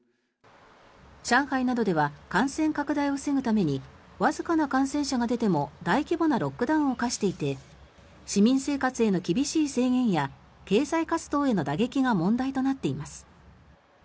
上海などでは感染拡大を防ぐためにわずかな感染者が出ても大規模なロックダウンを課していて市民生活への厳しい制限や経済活動への打撃が問題となっています。